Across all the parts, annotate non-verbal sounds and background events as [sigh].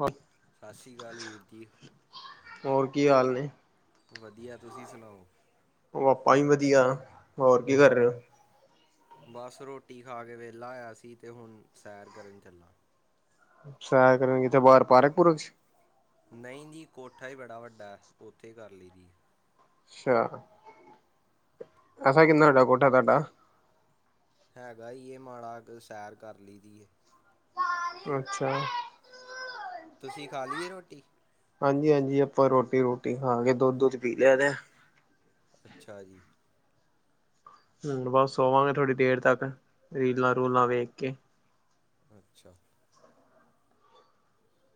ਹਾਂ। ਸ਼ਾਸੀ ਕਾਲ ਵੀਰ ਜੀ। ਹੋਰ ਕੀ ਹਾਲ ਨੇ? ਵਧੀਆ ਤੁਸੀਂ ਸੁਣਾਓ? ਉਹ ਆਪਾਂ ਵੀ ਵਧੀਆ, ਹੋਰ ਕੀ ਕਰ ਰ‌ਏ ਓ। ਬਸ ਰੋਟੀ ਖਾ ਕੇ ਵਿਹਲਾ ਹੋਇਆ ਸੀ ਤੇ ਹੁਣ ਸੈਰ ਕਰਨ ਚੱਲਾਂ। ਸੈਰ ਕਰਨ ਕਿਥੇ ਬਾਹਰ ਪਾਰਕ-ਪੁਰਕ 'ਚ ਨ‌ਈਂ ਜੀ, ਕੋਠਾ ਈ ਬੜਾ ਵੱਡਾ ਉੱਥੇ ਕਰ ਲੀ ਦੀ। ਅੱਛਾ। ਐਸਾ ਕਿੰਨਾ ਤੁਹਾਡਾ, ਕੋਠਾ ਤੁਹਾਡਾ ਹੈਗਾ ਈ ਏ, ਮਾੜਾ ਕਾ ਸੈਰ ਕਰ ਲਈ ਦੀ ਏ। ਅੱਛਾ। ਤੁਸੀਂ ਖਾ ਲੀ ਏ ਰੋਟੀ? ਹਾਂਜੀ-ਹਾਂਜੀ, ਆਪਾਂ ਰੋਟੀ-ਰੂਟੀ ਖਾ ਕੇ ਦੁੱਧ-ਦੂੱਧ ਪੀ ਲਿਆ ਤੇ। ਅੱਛਾ ਜੀ। ਹੂੰ, ਬਸ ਸੋਵਾਂ ਗੇ ਥੋੜ੍ਹੀ ਦੇਰ ਤੱਕ ਰੀਲਾਂ-ਰੂਲਾਂ ਵੇਖ ਕੇ। ਅੱਛਾ,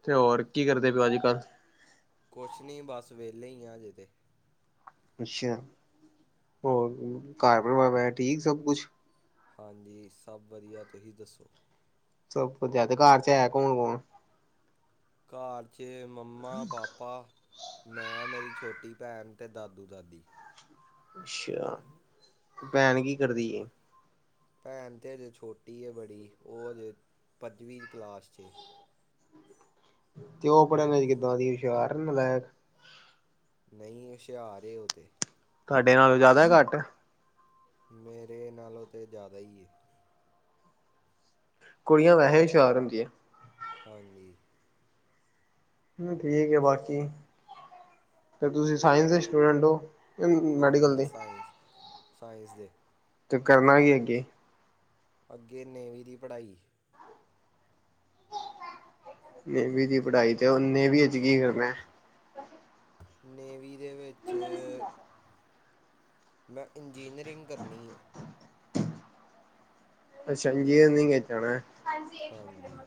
ਤੇ ਹੋਰ ਕੀ ਕਰਦੇ ਪਓ ਅੱਜ ਕੱਲ੍ਹ, ਕੁਛ ਨਹੀਂ ਬਸ ਵਿਹਲੇ ਹੀ ਆ ਜਿਤੇ, ਅੱਛਾ ਹੋਰ ਘਰ ਪਰਵਾਰ ਵ ਵੈਰਾ ਠੀਕ ਸਭ ਕੁਛ ਹਾਂਜੀ ਸਭ ਵਧੀਆ ਤੁਸੀਂ ਦੱਸੋ? ਸਬ ਵਦੀਆ ਤੇ ਘਰ ਚ ਹੈ ਕੌਣ ਕੌਣ? ਘਾਰ 'ਚ ਮੰਮਾ ਪਾਪਾ ਮੈਂ ਮੇਰੀ ਛੋਟੀ ਭੈਣ ਤੇ ਦਾਦੂ ਦਾਦੀ ਅੱਛਾ ਭੈਣ ਕੀ ਕਰਦੀ ਏ ਭੈਣ ਤੇ ਅਜੇ ਛੋਟੀ ਹੈ ਬੜੀ ਉਹ ਅਜੇ ਪੰਜਵੀਂ ਕਲਾਸ ਚ ਏ ਤੇ ਉਹ ਪੜ੍ਹਨ ਚ ਕਿੱਦਾਂ ਦੀ ਹੁਸ਼ਿਆਰ ਨਲਾਇਕ ਨਹੀਂ ਹੁਸ਼ਿਆਰ ਏ ਉਹ ਤੇ ਤੁਹਾਡੇ ਨਾਲੋਂ ਜ਼ਿਆਦਾ ਘੱਟ ਮੇਰੇ ਨਾਲੋਂ ਤੇ ਜ਼ਿਆਦਾ ਹੀ ਏ ਕੁੜੀਆਂ ਵੈਸੇ ਵੀ ਹੁਸ਼ਿਆਰ ਹੁੰਦੀ ਏ ਹਾਂਜੀ ਹਮ ਠੀਕ ਹੈ ਬਾਕੀ ਫਿਰ ਤੁਸੀਂ ਸਾਇੰਸ ਦੇ ਸਟੂਡੈਂਟ ਹੋ? ਮੈਡੀਕਲ ਹਾਂਜੀ ਦੀ ਸਾਇੰਸ ਸਾਇੰਸ ਦੇ ਤੇ ਕਰਨਾ ਕੀ ਅੱਗੇ ਅੱਗੇ ਨੇਵੀਂ ਦੀ ਪੜ੍ਹਾਈ ਨੇਵੀ ਦੀ ਪੜ੍ਹਾਈ ਤੇ ਉਹ ਨੇਵੀ ਇੰਚ ਕੀ ਕਰਨਾ ਇਹ ਨੇਵੀ ਦੇ ਵਿੱਚ ਮੈਂ ਇੰਜੀਨਅਰਿੰਗ ਕਰਨੀ ਹੈ [inaudible] ਇੰਜੀਨੀਅਰਿੰਗ ਐਚ ਹਾਂਜੀ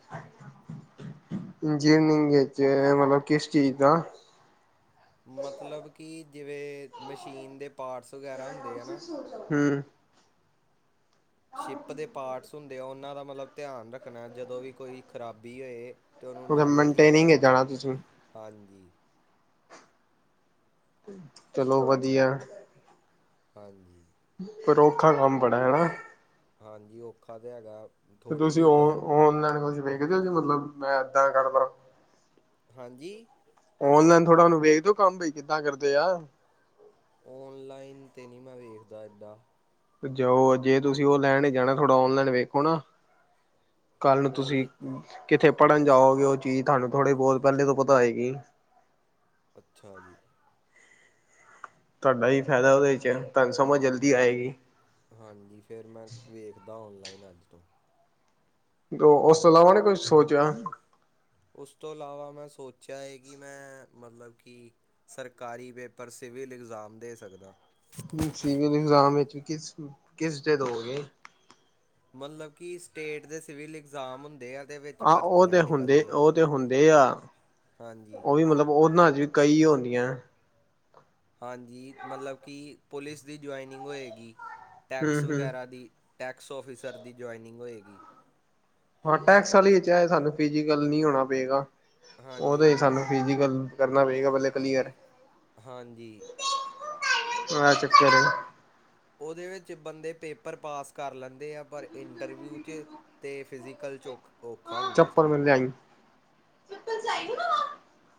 ਮਤਲਬ ਕਿਸ ਚੀਜ਼ ਦਾ ਮਤਲਬ ਕਿ ਜਿਵੇਂ ਮਸ਼ੀਨ ਦੇ ਪਾਰਟਸ ਵਗੈਰਾ ਹੁੰਦੇ ਹੈ ਨਾ ਹਮ ਸ਼ਿਪ ਦੇ ਪਾਰਟਸ ਹੁੰਦੇ ਆ ਉਹਨਾਂ ਦਾ ਮਤਲਬ ਧਿਆਨ ਰੱਖਣਾ ਜਦੋਂ ਵੀ ਕੋਈ ਖਰਾਬੀ ਹੋਏ। ਤੇ ਉਹਨੂੰ ਉਹ ਨਾਲੇ ਠੀਕ ਮੇਨਟੇਨਿੰਗ ਕਰਨਾ ਜਾਣਾ ਤੁਸੀਂ ਹਾਂਜੀ ਚਲੋ ਵਧੀਆ ਹਾਂਜੀ ਫਿਰ ਔਖਾ ਕੰਮ ਬੜਾ ਹੈਨਾ ਹਾਂਜੀ ਔਖਾ ਤਾਂ ਹੈਗਾ ਤੇ ਥੋੜ੍ਹੀ ਜਿਹੀ ਤੁਸੀਂ ਵੀ ਗਲਤ ਓਨਲਾਈਨ ਕੁ ਵੇਖਦੇ ਹੋ ਜੇ ਮਤਲਬ ਮੈਂ ਏਦਾਂ ਕਰਦਾ ਹਾਂਜੀ ਔਨਲਾਈਨ ਥੋੜਾ ਉਹਨੂੰ ਵੇਖ ਦੋ ਕੰਮ ਬ ਕਿੱਦਾਂ ਕਰਦੇ ਆ ਔਨਲਾਈਨ ' ਨਹੀਂ ਮੈਂ ਵੇਖਦਾ ਐਡਾ ਜਾਓ ਜੇ ਤੁਸੀਂ ਉਹ ਲੈਣ ਹੀ ਜਾਣਾ ਥੋੜਾ ਓਨਲਾਈਨ ਵੇਖੋ ਨਾ ਕੱਲ ਨੂੰ ਤੁਸੀਂ ਔਨ ਕਿੱਥੇ ਪੜ੍ਹਨ ਜਾਓਗੇ ਉਹ ਚੀਜ਼ ਤੁਹਾਨੂੰ ਥੋੜੀ ਬਹੁਤ ਪੈਲੇ ਤੋਂ ਪਤਾ ਹੈਏਗੀ ਅੱਛਾ ਜੀ ਤੁਹਾਡਾ ਹੀ ਫ਼ਾਇਦਾ ਉਦੇ ਚ ਤੁਹਾਨੂੰ ਸਮਝ ਜਲਦੀ ਆਏਗੀ। ਹਾਂਜੀ ਫਿਰ ਮੈਂ ਵੇਖਦਾ ਔਨਲਾਈਨ ਅੱਜ ਤੋਂ ਉਸ ਤੋਂ ਇਲਾਵਾ ਨੀ ਕੁਛ ਸੋਚਿਆ। ਉਸ ਤੋਂ ਇਲਾਵਾ ਮੈਂ ਸੋਚਿਆ ਏ ਕਿ ਮੈਂ ਮਤਲਬ ਕਿ ਸਰਕਾਰੀ ਪੇਪਰ ਸਿਵਲ ਇਗਜ਼ਾਮ ਦੇ ਸਕਦਾ। ਹਮ ਸਿਵਲ ਇਗਜ਼ਾਮ ਵਿੱਚ ਕਿਸ ਕਿਸ ਦੇ ਦੋ ਗੇ। ਮਤਲਬ ਕਿ ਸਟੇਟ ਦੇ ਸਿਵਲ ਇਗਜ਼ਾਮ ਹੁੰਦੇ ਆ ਅਤੇ ਵਿੱਚ ਹਾਂ ਉਹ ਤੇ ਭਰਤੀਆਂ ਹੁੰਦੇ ਨਿਕਲਦੀਆਂ ਉਹ ਤੇ ਹੁੰਦੇ ਆ ਹਾਂਜੀ ਉਹ ਵੀ ਮਤਲਬ ਉਹਨਾਂ ਚ ਕਈ ਹੁੰਦੀਆਂ। ਹਾਂਜੀ, ਮਤਲਬ ਕਿ ਪੁਲਿਸ ਦੀ ਜੁਆਇਨਿੰਗ ਹੋਏਗੀ ਹਮ ਟੈਕਸ ਹਮ ਵਗੈਰਾ ਦੀ। ਟੈਕਸ ਔਫਿਸਰ ਦੀ ਜੁਆਇਨਿੰਗ ਹੋਏਗੀ। ਹਾਂ, ਟੈਕਸ ਵਾਲੀ ਵਿਚ ਸਾਨੂੰ ਫਿਜੀਕਲ ਨੀ ਹੋਣਾ ਪਏਗਾ ਹਾਂਜੀ ਉਹਦੇ ਹੀ ਸਾਨੂੰ ਹਾਂਜੀ ਫਿਜੀਕਲ ਕਰਨਾ ਪਏਗਾ ਪਹਿਲੇ ਕਲੀਅਰ। ਹਾਂਜੀ ਐ ਚੱਕਰ ਐ। ਉਹਦੇ ਵਿੱਚ ਬੰਦੇ ਪੇਪਰ ਪਾਸ ਕਰ ਲੈਂਦੇ ਆ ਪਰ ਇੰਟਰਵਿਊ 'ਚ ਤੇ ਫਿਜੀਕਲ 'ਚ ਔਖ ਔਖਾ ਹੁੰਦਾ ਚੱਪਲ ਥੋੜ੍ਹਾ। ਮਿਲ ਲਿਆਈ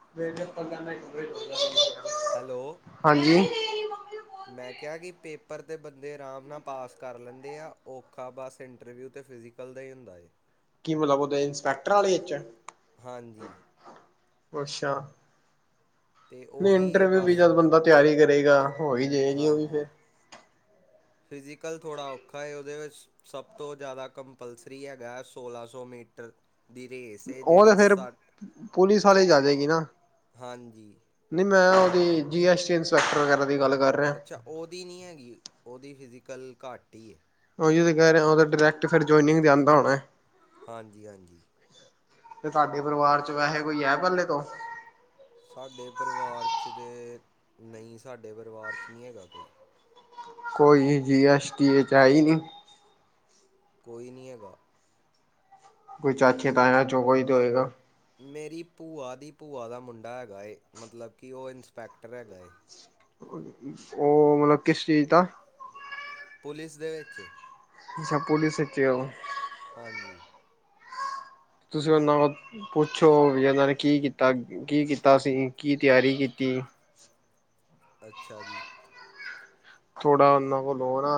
[unintelligible] ਹੈਲੋ ਹਾਂਜੀ ਮੈਂ ਕਿਹਾ ਕਿ ਪੇਪਰ 'ਤੇ ਬੰਦੇ ਆਰਾਮ ਨਾਲ ਪਾਸ ਕਰ ਲੈਂਦੇ ਆ ਔਖਾ ਬਸ ਇੰਟਰਵਿਊ ਤੇ ਫਿਜ਼ਿਕ ਨਿਕਲਦਾ ਹੀ ਹੁੰਦਾ ਜੇ। ਕੀ ਮਤਲਬ ਦੇ ਇੰਸਪੈਕਟਰ ਵਾਲੇ ਅੱਛਾ ਹਾਂਜੀ ਅਤੇ ਨਹੀਂ ਉਹੀ ਇਹ ਇੰਟਰਵਿਊ ਵੀ ਬਸ ਜਦ ਬੰਦਾ ਤਿਆਰੀ ਕਰੇਗਾ ਹੋ ਹੀ ਜਾਏਗੀ ਉਹ ਵੀ ਫਿਰ ਹਾਂਜੀ ਫਿਜ਼ੀਕਲ ਥੋੜ੍ਹਾ ਔਖਾ ਹੈ ਉਹਦੇ ਵਿੱਚ। ਸਭ ਤੋਂ ਜ਼ਿਆਦਾ ਕੰਪਲਸਰੀ ਹੈਗਾ ਸੋਲਾਂ ਸੌ ਮੀਟਰ ਦੀ ਰੇਸ। ਹੈ ਉਹ ਤੇ ਜਿਹੜੀ ਫੇਰ ਸੱਠ ਪੁਲਿਸ ਵਾਲੇ ਚ ਆਜਾਗੀ ਨਾ। ਹਾਂਜੀ ਨਹੀਂ ਮੈਂ ਉਹਦੀ ਜੀ ਐਸ ਟੀ ਇੰਸਪੈਕਟਰ ਵਗੈਰਾ ਦੀ ਗੱਲ ਕਰ ਰਿਹਾ। ਅੱਛਾ ਉਹਦੀ ਨਹੀਂ ਹੈਗੀ ਉਹਦੀ ਫਿਜ਼ੀਕਲ ਘੱਟ ਹੀ ਹੈ। ਓਹੀ ਤਾਂ ਕਹਿ ਰਿਹਾ ਉਹ ਤਾਂ ਡਾਇਰੈਕਟ ਫਿਰ ਜੌਏਨਿੰਗ ਜਾਂਦਾ ਹੋਣਾ। ਹਾਂਜੀ ਹਾਂਜੀ। ਤੇ ਤੁਹਾਡੇ ਪਰਿਵਾਰ ਚ ਵੈਸੇ ਕੋਈ ਹੈ ਪਹਿਲੇ ਤੋਂ। ਸਾਡੇ ਪਰਿਵਾਰ 'ਚ ਤਾਂ ਨਹੀਂ ਸਾਡੇ ਪਰਿਵਾਰ 'ਚ ਨਹੀਂ ਹੈਗਾ ਕੋਈ। ਕੋਈ ਜੀ ਐਸ ਟੀ ਚ ਏ ਚ ਹੈ ਹੀ ਨੀ। ਕੋਈ ਨਹੀਂ ਹੈਗਾ। ਕੋਈ ਚਾਚੀਆਂ ਤਾਇਆ ਚੋਂ ਕੋਈ ਤੇ ਹੋਏਗਾ। ਮੇਰੀ ਭੂਆ ਦੀ ਭੂਆ ਦਾ ਮੁੰਡਾ ਹੈਗਾ ਏ ਮਤਲਬ ਕਿ ਉਹ ਇੰਸਪੈਕਟਰ ਹੈਗਾ ਏ। ਉਹ ਮਤਲਬ ਕਿਸ ਚੀਜ਼ ਦਾ। ਪੁਲਿਸ ਦੇ ਵਿੱਚ। ਅੱਛਾ ਪੁਲਿਸ ਵਿੱਚ ਓ। ਹਾਂਜੀ, ਤੁਸੀਂ [unintelligible] ਪੁੱਛੋ ਵੀ ਇਹਨਾਂ ਨੇ ਕੀ ਕੀਤਾ ਕੀ ਕੀਤਾ ਸੀ ਕੀ ਤਿਆਰੀ ਕੀਤੀ। ਅੱਛਾ ਜੀ। ਥੋੜਾ ਉਹਨਾਂ ਕੋਲ ਓ ਨਾ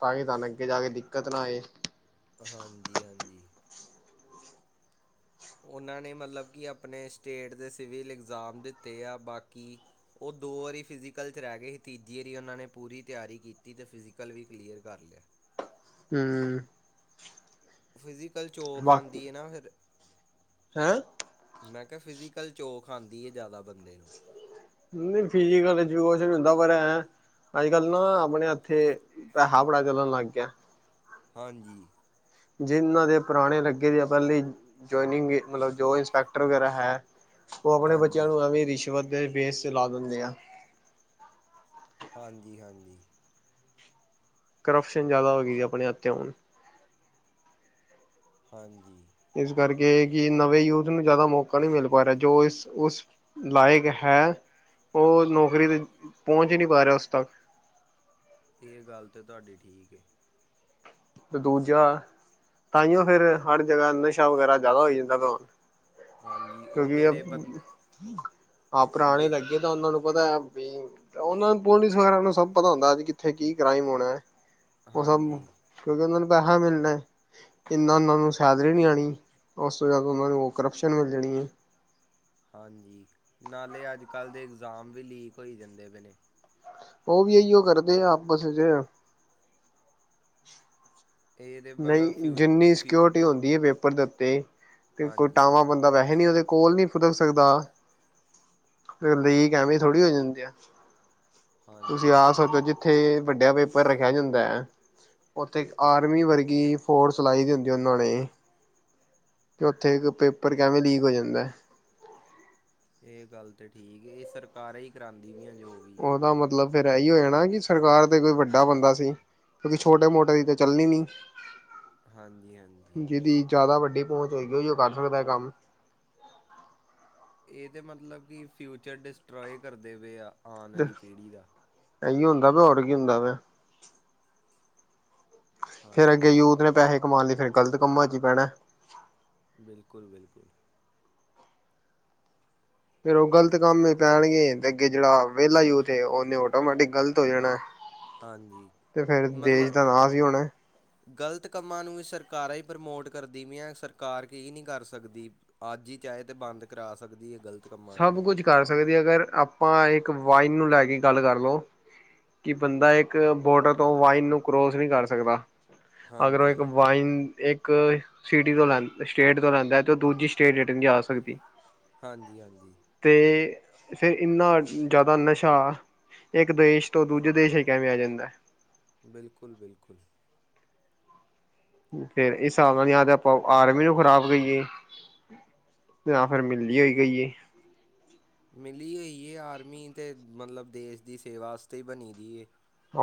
ਤਾਂ ਕਿ ਤਾਂ ਕੇ ਅੱਗੇ ਜਾ ਕੇ ਦਿੱਕਤ ਨਾ ਆਏ। ਹਾਂਜੀ-ਹਾਂਜੀ। ਉਹਨਾਂ ਨੇ ਮਤਲਬ ਕਿ ਆਪਣੇ ਸਟੇਟ ਦੇ ਸਿਵਲ ਇਗਜ਼ਾਮ ਦਿੱਤੇ ਆ ਬਾਕੀ ਉਹ ਦੋ ਵਾਰੀ ਫਿਜ਼ੀਕਲ 'ਚ ਰਹਿ ਗਏ ਸੀ ਤੀਜੀ ਵਾਰੀ ਉਹਨਾਂ ਨੇ ਪੂਰੀ ਤਿਆਰੀ ਕੀਤੀ ਤੇ ਫਿਜ਼ੀਕਲ ਵੀ ਕਲੀਅਰ ਕਰ ਲਿਆ। ਹੂੰ, ਫਿਜ਼ੀਕਲ ਚ ਔਖ ਆਂਦੀ ਨਾ ਫਿਰ। ਹੈ। ਮੈਂ ਕਿਹਾ ਫਿਜ਼ੀਕਲ ਚ ਔਖ ਆਂਦੀ ਐ ਜ਼ਿਆਦਾ ਬੰਦੇ ਨੂੰ। ਨਹੀਂ [unintelligible] ਪਰ ਐ ਅੱਜ ਕੱਲ ਨਾ ਆਪਣੇ ਹੱਥੇ ਥਾਪੜਾ ਚੱਲਣ ਲੱਗ ਗਿਆ। ਹਾਂਜੀ, ਜਿਨਾਂ ਦੇ ਪੁਰਾਣੇ ਲੱਗੇ ਦੇ ਪਹਿਲਾ ਹੀ ਜਆਇਨਿੰਗ ਮਤਲਬ ਜੋ ਇੰਸਪੈਕਟਰ ਵਗੈਰਾ ਹੈ। ਉਹ ਆਪਣੇ ਬੱਚਿਆਂ ਹਾਂਜੀ ਨੂੰ ਐਵੇਂ ਰਿਸ਼ਵਤ ਦੇ ਵੇਸ ਚ ਲਾ ਦਿੰਦੇ ਆ। ਹਾਂਜੀ ਹਾਂਜੀ। ਕਰਪਸ਼ਨ ਜ਼ਿਆਦਾ ਹੋ ਗਈ ਜੀ ਆਪਣੇ ਹੱਥ ਹੁਣ। ਹਾਂਜੀ। ਇਸ ਕਰਕੇ ਕਿ ਨਵੇਂ ਯੂਥ ਨੂੰ ਜ਼ਿਆਦਾ ਮੌਕਾ ਨਹੀਂ ਮਿਲ ਪਾ ਰਿਹਾ। ਜੋ ਇਸ ਉਸ ਲਾਇਕ ਹੈ। ਉਹ ਨੌਕਰੀ ਤੇ ਪਹੁੰਚ ਹੀ ਨਹੀਂ ਪਾ ਰਿਹਾ ਉਸ ਤੱਕ। ਇਹ ਗੱਲ ਤਾਂ ਤੁਹਾਡੀ ਠੀਕ ਏ। ਤੇ ਦੂਜਾ, ਤਾਂ ਈਓ ਫੇਰ ਹਰ ਜਗ੍ਹਾ ਨਸ਼ਾ ਵਗੈਰਾ ਜ਼ਿਆਦਾ ਹੋ ਜਾਂਦਾ ਹੁਣ। ਹਾਂਜੀ ਉਹ ਕਿਉਂਕਿ ਅ, ਜਿਹੜੇ ਬੰ ਆਪ ਪੁਰਾਣੇ ਜੇ ਲੱਗੇ ਤਾਂ ਉਹਨਾਂ ਨੂੰ ਪਤਾ ਵੀ ਉਹਨਾਂ ਪੁਲਿਸ ਵਗੈਰਾ ਨੂੰ ਸਭ ਪਤਾ ਹੁੰਦਾ ਕਿੱਥੇ ਕੀ ਕ੍ਰਾਈਮ ਹੋਣਾ। ਉਹ ਸਭ ਹਾਂਜੀ ਕਿਉਂਕਿ ਉਹਨਾਂ ਨੂੰ ਪੈਹਾ ਮਿਲਨਾ। ਇੰਨਾਂ ਉਹਨਾਂ ਨੂੰ ਸੈਲਰੀ ਨੀ ਆਣੀ। ਉਸ ਤੋਂ ਜਦ ਉਹਨਾਂ ਨੂੰ ਉਹ ਕਰਪਸ਼ਨ ਮਿਲ ਜਾਣੀ ਏ। ਹਾਂਜੀ। ਨਾਲੇ ਅੱਜ-ਕੱਲ੍ਹ ਦੇ ਇਗਜ਼ਾਮ ਵੀ ਲੀਕ ਹੋਈ ਜਾਂਦੇ ਪੇ ਨੇ। ਉਹ ਵੀ ਇਹੀਓ ਕਰਦੇ ਆ ਆਪਸ 'ਚ। ਇਹਦੇ ਨਈ ਮਤਲਬ ਫਿਊ ਜਿੰਨੀ ਫਿ ਸਕਿਓਰਟੀ ਹੁੰਦੀ ਏ ਪੇਪਰ ਦੇ, ਉੱਤੇ ਤੇ ਕੋਈ ਹਾਂਜੀ ਟਾਵਾਂ ਬੰਦ ਦਾ ਵੈਹੇ ਨੀ ਉਹਦੇ ਕੋਲ ਨੀ ਫੁਦਕ ਸਕਦਾ। ਫੇਰ ਲੀਕ ਐਵੇਂ ਈ ਥੋੜ੍ਹੀ ਹੋ ਜਾਂਦੇ ਆ, ਤੁਸੀਂ ਹਾਂਜੀ ਆਪ ਹਾਂਜੀ ਸੋਚੋ ਜਿੱ ਥੇ ਵੱਡਾ ਪੇਪਰ ਰੱਖਿਆ ਜਾਂਦਾ ਐ, ਉੱਥੇ ਆਰਮੀ ਵਰਗ ਗੀ ਫੋਰਸ ਲਾਈ ਦੀ ਹੁੰਦੀ ਆ ਉਹਨੇ। ਤੇ ਉੱਥੇ ਇੱਕ ਪੇਪਰ ਕਿਵੇਂ ਲੀਕ ਹੋ ਜਾਂਦਾ ਐ। ਇਹ ਗੱਲ ਤਾਂ ਠੀਕ, ਇਹ ਸਰਕਾਰਾਂ ਈ ਕਰਾਂਦੀ ਵੀ ਆ ਜੋ ਵੀ ਹੈ ਉਹਦਾ ਮਤਲਬ ਫੇਰ ਐਈ ਉ ਆ ਨਾ ਕਿ ਸਰਕਾਰ ਤੇ ਕੋਈ ਵੱਡਾ ਬੰਦਾ ਸੀ। ਕਿਉਂਕਿ ਛੋ-ਟੇ ਮੋਟੇ ਦੀ ਤਾਂ ਚੱਲਣੀ ਨੀ। ਹਾਂਜੀ ਹਾਂਜੀ ਜਿਹਦੀ ਜ਼ਿਆਦਾ ਵੱਡੀ ਪਹੁੰਚ ਹੋਏਗੀ ਉਹ ਈ ਕਰ ਸਕਦਾ ਐ ਕੰਮ। ਇਹ ਤੇ ਮਤਲਬ ਕਿ ਫਿਊਚਰ ਡਿਸਟ੍ਰੋਏ ਕਰਦੇ ਪਏ ਆ ਆਣ ਆਲੀ ਪੀੜ੍ਹੀ ਦਾ। ਇਹੀ ਹੁੰਦਾ ਪਿਆ ਹੋਰ ਕੀ ਹੁੰਦਾ ਪਿਆ। ਫੇਰ ਅੱਗੇ ਹਾਂਜੀ ਯੂਥ ਨੇ ਪੈਹੇ ਕਮਾਣ ਲਈ ਫੇਰ ਗਲਤ ਕੰਮਾਂ 'ਚ ਈ ਪੈਣਾ। ਬਿਲਕੁੱਲ-ਬਿਲਕੁੱਲ। ਫਿਰ ਉਹ ਗਲਤ ਕੰਮ ਈ ਪੈਣਗੇ ਤੇ ਅੱਗੇ ਜਿਹੜਾ ਵਿਹਲਾ ਯੂਥ ਏ ਉਹਨੇ ਆਟੋਮੈਟਿਕ ਗਲਤ ਹੋ ਜਾਣਾ। ਹਾਂਜੀ ਤੇ ਫੇਰ ਦੇਸ਼ ਦਾ ਨਾਂਸ ਈ ਹੋਣਾ। ਗਲਤ ਕੰਮਾਂ ਨੂੰ ਵੀ ਸਰਕਾਰਾਂ ਈ ਪ੍ਰਮੋਟ ਕਰਦੀ ਵੀਆਂ ਸਰਕਾਰ ਕੀ ਨੀ ਕਰ ਸਕਦੀ। ਅੱਜ ਈ ਚਾਹੇ ਤੇ ਬੰਦ ਕਰਾ ਸਕਦੀ ਏ ਗਲ ਸਭ ਕੁਛ ਕਰ ਸਕਦੀ ਅਗਰ ਆਪਾਂ ਇੱਕ ਵਾਈਨ ਨੂੰ ਲੈ ਕੇ ਈ ਗੱਲ ਕਰ ਲੋ। ਕਿ ਬੰਦਾ ਇੱਕ ਬੋਡਰ ਤੋਂ ਵਾਈਨ ਨੂੰ ਕਰੋਸ ਨੀ ਕਰ ਸਕਦਾ, ਅਗਰ ਉਹ ਇੱਕ ਹਾਂਜੀ ਵਾਈਨ ਇੱਕ ਸਿਟੀ ਤੋਂ ਲੈਂਨ ਸਟੇਟ ਤੋਂ ਲੈਂਦਾ ਤੇ ਉਹ ਦੂਜੀ ਸਟੇਟ ਰਿਟਨ ਨੀ ਆ ਸਕਦੀ। ਹਾਂਜੀ- ਹਾਂਜੀ। ਤੇ ਫਿਰ ਇਨਾ ਜਿਆਦਾ ਨਸ਼ਾ- ਇਕ ਦੇਸ਼ ਤੋ ਦੂਜੇ ਦੇਸ਼ ਹੀ ਕਿਵੇ ਆ ਜਾਦਾ। ਬਿਲਕੁਲ- ਬਿਲਕੁਲ। ਫੇਰ ਹਿਸਾਬ ਨਾਲ ਨ ਯਾ ਆਪਾਂ ਆਰਮੀ ਨੂੰ ਖਰਾਬ ਕਹੀਏ। ਜਾਂ ਫੇਰ ਮਿਲਦੀ ਹੋਈ ਗਈ ਹੈ। ਮਿਲੀ ਹੋਈਏ ਆਰਮੀ ਤੇ, ਮਤਲਬ ਦੇਸ਼ ਦੀ ਸੇਵਾਸਤੇ ਹੀ ਬਣੀ ਦੀ ਏ।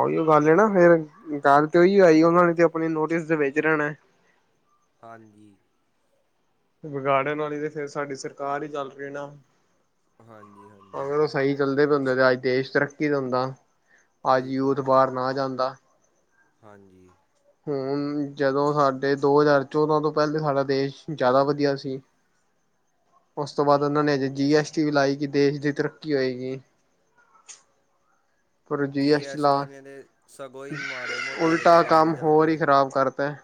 ਉਈਓ ਗੱਲ ਏ ਨਾ, ਫੇਰ ਗੱਲ ਤੇ ਉਹੀ ਆਈ ਉਹਨਾਂ ਨੇ ਤੇ ਆਪਣੇ ਨੋਟਿਸ ਤੇ ਵਿਚ ਰਹਿਣਾ ਐ। ਹਾਂਜੀ। ਵਿਗਾੜਣ ਵਾਲੀ ਤੇ ਫੇਰ ਸਾਡੀ ਸਰਕਾਰ ਈ ਚੱਲ ਗੀ ਨਾ। ਹਾਂਜੀ-ਹਾਂਜੀ। ਸਈ ਚੱਲਦੇ ਪੇ ਹੁੰਦੇ ਤੇ ਦੇਸ਼ ਤਰੱਕੀ ਤੇ ਹੁੰਦਾ। ਅੱਜ ਬਿਲਕੁਲ ਯੂਥ ਬਿਲਕੁਲ ਬਾਹਾਰ ਨਾ ਜਾਂਦਾ। ਹਾਂਜੀ। ਹੁਣ ਜਦੋਂ ਸਾਡੇ ਦੋ ਹਜ਼ਾਰ ਚੌਦਾਂ ਤੋਂ ਪਹਿਲੇ ਸਾਡਾ ਦੇਸ਼ ਜ਼ਿਆਦਾ ਵਧੀਆ ਸੀ। [inaudible] ਉਸ ਤੋਂ ਬਾਅਦ ਉਹਨਾਂ ਨੇ ਅਜੇ ਜੀ ਐਸ ਟੀ ਵੀ ਲਾਈ ਕਿ ਦੇਸ਼ ਦੀ ਤਰੱਕੀ ਹੋਏਗੀ। ਜੀ ਐਸ ਟੀ ਨੇ ਦੇ ਸਗੋਂ ਈ ਮਾੜੇ ਮੋਟੇ ਜਿਹੜੇ ਉਲਟਾ ਕੰਮ ਚੱਲਦੇ ਹੋਰ ਹੀ ਸੀ। ਖ਼ਰਾਬ ਕਰਤਾ।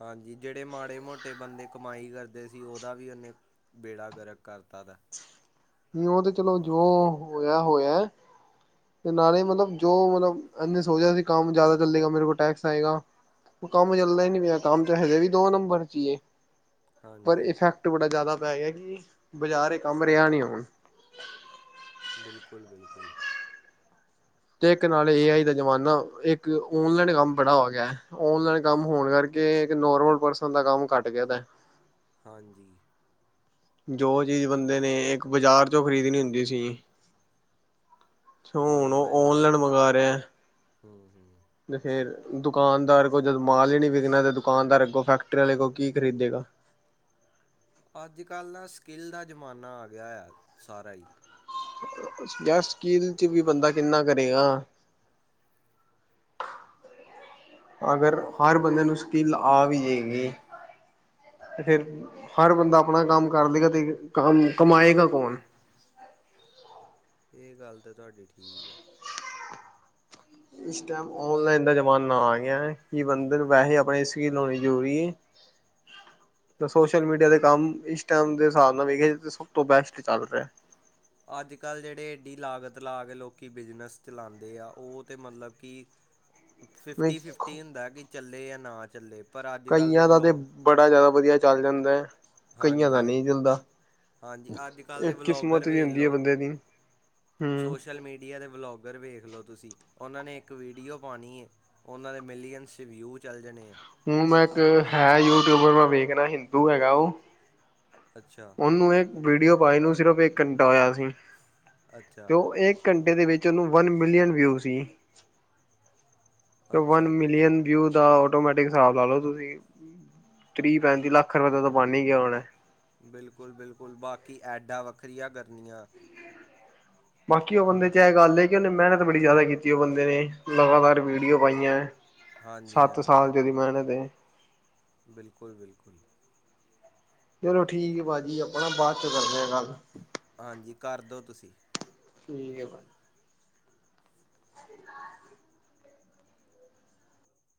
ਹਾਂਜੀ ਜਿਹੜੇ ਮਾੜੇ ਮੋਟੇ ਬੰਦੇ ਕਮਾਈ ਕਰਦੇ ਸੀ। ਉਹਦਾ ਵੀ ਇਹਨੇ ਬੇੜਾ ਗਰਕ ਕਰਤਾ ਤਾ ਉਦਾ। ਨੀ ਉਹ ਤੇ ਚਲੋ ਜੋ ਹੋਇਆ ਹੋਇਐ। ਤੇ ਨਾਲੇ ਮਤਲਬ ਜੋ ਮਤਲਬ ਇਹਨੇ ਸੋਚਿਆ ਸੀ ਕੰਮ ਜ਼ਿਆਦਾ ਚੱਲੇਗਾ ਮੇਰੇ ਕੋਲ ਟੈਕਸ ਆਏਗਾ। ਉਹ ਕੰਮ ਚਲਦਾ ਹੀ ਨੀ ਪਿਆ ਕਮ 'ਚ ਹੈੇ। ਵੀ ਦੋ ਨੰਬਰ 'ਚ ਹੀਏ। ਪਰ ਹਾਂਜੀ ਇਫੈਕਟ ਬੜਾ ਜ਼ਿਆਦਾ ਪੈ ਗਿਆ ਕਿ ਬਜ਼ਾਰ ਇਹ ਕਮ ਰਿਹਾ ਨਹੀ ਹੋਣ। [unintelligible] ਬਿਲਕੁਲ -ਬਿਲਕੁਲ- ਤੇ ਇਕ ਨਾਲੇ ਏ ਆਈ ਦਾ ਜਮਾਨਾ ਇਕ ਔਨਲਾਈਨ ਕਮ ਬੜ੍ਹਾ ਹੋ। ਗਿਆ ਹੈ। ਔਨਲਾਈਨ ਕਮ ਹੋਣ ਕਰ- ਕੇ ਇਕ ਨੋਰਮਲ ਪਰਸਨ ਦਾ ਕਮ ਘੱਟ ਗਿਆ ਦਾ- ਹਾਂਜੀ- ਜੋ ਚੀਜ਼ ਬੰਦੇ ਨੇ ਇਕ ਬਾਜ਼ਾਰ ਚੋ ਖਰੀਦਣੀ ਹੁੰਦੀ ਸੀ। ਤ ਹੁਣ ਉਹ ਔਨਲਾਈਨ ਹੈ। ਓਨਲਾਈਨ ਮੰਗਵਾ ਰਿਹਾ। ਹੂੰ- ਹੂੰ - ਤੇ ਫੇਰ ਦੁਕਾਨਦਾਰ ਕੋ ਜਦੋ ਮਾਲ ਹੀ ਨੀ ਵਿਕਣਾ ਤੇ ਦੁਕਾਨਦਾਰ ਅਗੋ ਫੈਕਟਰੀ ਵਾਲੇ ਕੀ ਖਰੀਦੇਗਾ? ਅਜ ਕਲ ਦਾ ਸਕਿੱਲ ਦਾ ਜਮਾਨਾ ਆ ਗਿਆ ਆ ਸਾਰਾ ਹੀ। [unintelligible] ਯ ਸਕੀਲ 'ਚ ਵੀ ਬੰਦਾ ਕਿਨਾ ਕਰੇਗਾ? ਅਗਰ ਹਰ ਬੰਦੇ ਨੂੰ ਸਕਿੱਲ ਆ ਵੀ ਜਾਵੇਗੀ- ਤੇ ਫੇਰ ਹਰ ਬੰਦਾ ਆਪਣਾ ਕੰਮ ਕਰ ਦੇਗਾ ਤੇ ਕਮ ਕਮਾਏਗਾ ਕੌਣ? ਇਹ ਗੱਲ ਤਾਂ ਤੁਹਾਡੀ ਠੀਕ ਹੈ। ਇਸ ਟਾਈਮ ਓਨਲਾਈਨ ਦਾ ਜ਼ਮਾਨਾ ਆ ਗਿਆ ਕਿ ਬੰਦੇ ਵੈਸੇ ਆਪਣੇ [inaudible] ਹੋਣੀ ਜ਼ਰੂਰੀ। [inaudible] ਤ ਸੋਸ਼ਲ ਮੀਡੀਆ ਦੇ ਕਮ ਇਸ ਟਾਈਮ ਦੇ ਹਿਸਾਬ ਨਾਲ ਸਭ ਤੋ ਬੈਸਟ ਚਲ ਰਿਹਾ। ਅੱਜ- ਕੱਲ ਜਿਹੜੇ ਐਡੀ ਲਾਗਤ ਲਾ ਕੇ ਲੋਕ ਬਿਜ਼ਨਸ ਚਲਾਉਦੇ ਆ। ਉਹ ਤਾਂ ਮਤਲਬ ਕਿ- ਫਿਫਟੀ- ਫਿਫਟੀ ਹੁੰਦਾ ਕਿ ਚਲੇ ਜਾ ਨਾ ਚੱਲੇ। ਪਰ ਅੱਜ ਕੱਲ੍ਹ ਦੇ ਕਈਆਂ ਦਾ ਤੇ ਵਲੋਗ ਬੜਾ ਜ਼ਿਆਦਾ ਵਧੀਆ ਚਲ ਜਾਦਾ ਐ। ਕਈਆਂ ਦਾ ਹਾਂਜੀ ਨਹੀ ਚੱਲਦਾ। ਹਾਂਜੀ ਅੱਜ ਕੱਲ੍ਹ ਇਹ ਦੇ ਵਲੋਗਰ ਕਿਸਮਤ ਵੀ ਵੇਖ ਹੁੰਦੀ ਹੈ। ਲਓ ਬੰਦੇ ਦੀ- ਹਮ ਸੋਸ਼ਲ ਮੀਡੀਆ ਦੇ ਵਲੋਗਰ ਵੇਖ ਲਓ ਤੁਸੀ ਉਹਨਾ ਨੇ ਇਕ ਵੀਡੀਓ ਪਾਉਣੀ ਹੈ। ਉਹਨਾਂ ਦੇ ਮਿਲੀਅਨਸ ਵਿਊ ਚੱਲ ਜਾਣੇ ਆ। ਹੁਣ ਮੈ ਇਕ ਹੈ। ਯੂਟਿਊਬ ਮੈ ਵੇਖਣਾ ਹਿੰਦੂ ਹੈਗਾ ਉਹ- ਅੱਛਾ ਉਹਨੂੰ ਇਕ ਵੀਡੀਓ ਪਾਈ ਨੂੰ ਸਿਰਫ਼ ਇਕ ਘੰਟਾ ਹੋਇਆ ਸੀ ਅੱਛਾ ਤੇ ਉਹ ਇ- ਕ ਘੰਟੇ ਦੇ ਵਿਚ ਉਹਨੂੰ ਵਨ ਮਿਲੀਅਨ ਵਿਊ ਸੀ। ਵਨ ਅੱਛਾ ਜੀ ਮਿਲੀਅਨ ਵਿਊ ਦਾ ਆਟੋਮੈਟਿਕ ਹਿਸਾਬ ਲਾ ਲਓ ਤੁਸੀਂ, ਤੀਹ ਪੈਂਤੀ ਲੱਖ ਰੁਪਏ ਦਾ ਤਾਂ ਬਣ ਹੀ ਗਿਆ ਹੋੁਣਾ? ਬਿਲਕੁਲ-ਬਿਲਕੁਲ, ਬਾਕੀ ਐਡਾਂ ਵੱਖਰੀਆਂ ਕਰਨੀਆਂ ਬਾਕੀ ਉਹ ਬੰਦੇ ਚ ਇਹ ਗੱਲ ਕਿ ਉਹਨੇ ਮਿਹਨਤ ਬੜੀ ਜ਼ਿਆਦਾ ਕੀਤੀ ਉਹ ਬੰਦੇ ਨੇ ਲਗਾਤਾਰ ਵੀਡੀਓ ਪਾਈਐਂ ਹਾਂਜੀ ਸੱਤ ਸਾਲ [inaudible] ਮਿਹਨਤ [unintelligible] ਬਿਲਕੁਲ-ਬਿਲਕੁਲ ਚਲੋ ਠੀਕ ਆ ਭਾਜੀ ਆਪਾਂ ਨਾ ਬਾਅਦ ਚ ਕਰਦੇ ਹਾਂ ਗੱਲ? ਹਾਂਜੀ ਕਰ ਦਿਉ ਤੁਸੀਂ ਠੀਕ ਹੈ। ਭਰਾ- ਸ [unintelligible]